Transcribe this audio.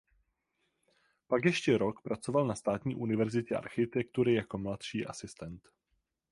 Pak ještě rok pracoval na Státní univerzitě architektury jako mladší asistent.